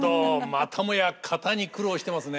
またもや型に苦労してますね。